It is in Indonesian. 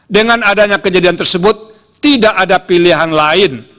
dengan adanya kejadian tersebut tidak ada pilihan lain